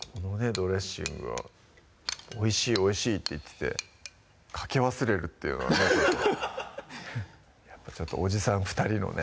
ドレッシングをおいしいおいしいって言っててかけ忘れるっていうのはねおじさん２人のね